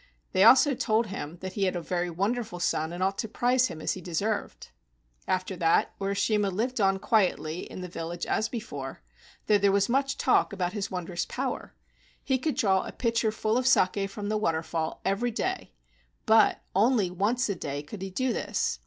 They also told him he had a very wonderful son and ought to prize him as he deserved. After that Urishima lived on quietly in the 158 A JAPANESE STORY village as before, though there was much talk about his wondrous power. He could draw a pitcher full of saki from the waterfall every day, but only once a day could he do this.